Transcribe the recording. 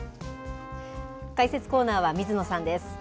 解説コーナーは水野さんです。